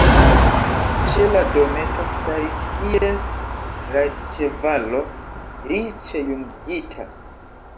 Ĉe la dometo staris ies rajdĉevalo, riĉe jungita.